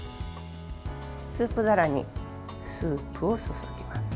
スープ皿にスープを注ぎます。